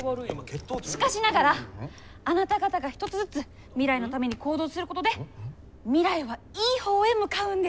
しかしながらあなた方が一つずつ未来のために行動することで未来はいい方へ向かうんです！